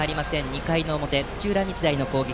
２回の表、土浦日大の攻撃。